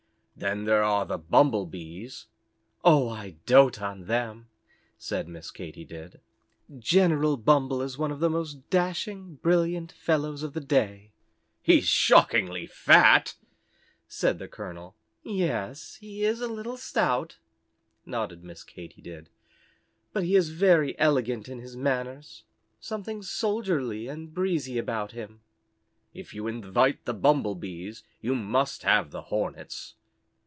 "Then there are the Bumble Bees." "Oh, I dote on them," said Miss Katy Did. "General Bumble is one of the most dashing, brilliant fellows of the day." "He's shockingly fat!" said the colonel. "Yes, he is a little stout," nodded Miss Katy Did, "but he is very elegant in his manners, something soldierly and breezy about him." "If you invite the Bumble Bees, you must have the Hornets."